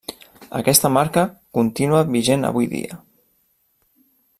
Aquesta marca contínua vigent avui dia.